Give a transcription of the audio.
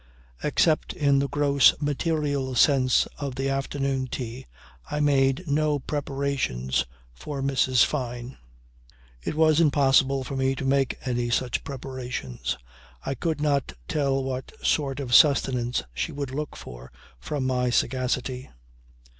Except in the gross material sense of the afternoon tea I made no preparations for Mrs. Fyne. It was impossible for me to make any such preparations. I could not tell what sort of sustenance she would look for from my sagacity.